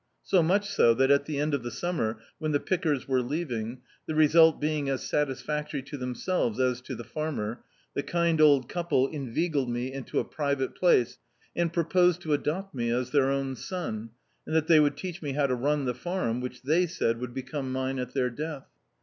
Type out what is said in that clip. So much so, that at the end of the summer, when the pickers were leaving, the result being as satisfactory to themselves as to the farmer, the kind old couple inveigled me into a private place and proposed to adopt me as their own son, and that they would teach me how to run the farm, which they said would beccme mine at their death.